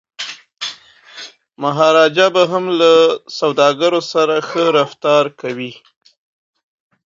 مهاراجا به هم له سوداګرو سره ښه رفتار کوي.